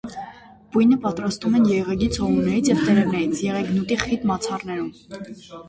Բույնը պատրաստում են եղեգի ցողուններից և տերևներից, եղեգնուտի խիտ մացառներում։